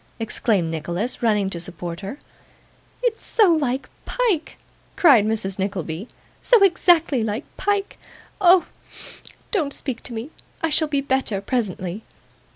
exclaimed Nicholas, running to support her. 'It's so like Pyke,' cried Mrs. Nickleby; 'so exactly like Pyke. Oh! don't speak to me I shall be better presently.